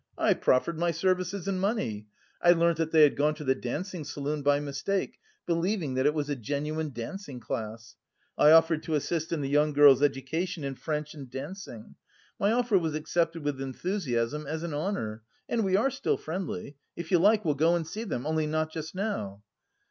I proffered my services and money. I learnt that they had gone to the dancing saloon by mistake, believing that it was a genuine dancing class. I offered to assist in the young girl's education in French and dancing. My offer was accepted with enthusiasm as an honour and we are still friendly.... If you like, we'll go and see them, only not just now."